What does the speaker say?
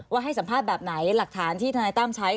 ให้สัมภาษณ์แบบไหนหลักฐานที่ทนายตั้มใช้